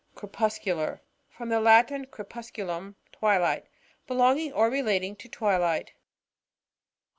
Crepuscular.— From the Latin, ere pusculum, twilight. Belonging or relating to twilight.